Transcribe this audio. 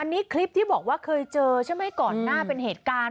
อันนี้คลิปที่บอกว่าเคยเจอใช่ไหมก่อนหน้าเป็นเหตุการณ์